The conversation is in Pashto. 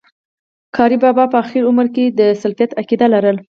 قاري بابا په آخري عمر کي د سلفيت عقيده لرله